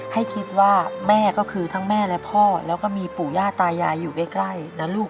ให้คิดว่าแม่ก็คือทั้งแม่และพ่อแล้วก็มีปู่ย่าตายายอยู่ใกล้นะลูก